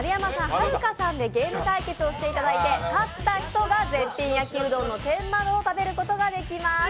はるかさんでゲーム対決をしていただいて勝った人が絶品焼きうどんの天窓を食べることができます。